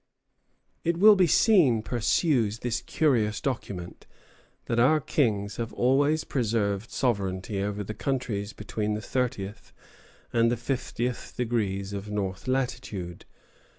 "It will be seen," pursues this curious document, "that our kings have always preserved sovereignty over the countries between the 30th and the 50th degrees of north latitude.